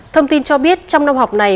thông tin cho biết trong năm học này